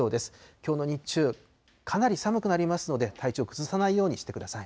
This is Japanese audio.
きょうの日中、かなり寒くなりますので、体調崩さないようにしてください。